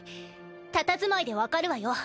たたずまいで分かるわよ。